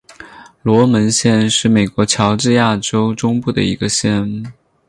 门罗县是美国乔治亚州中部的一个县。